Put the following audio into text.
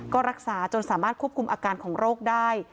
ก็รักษาจนสามารถควบคุมอาการของโรคได้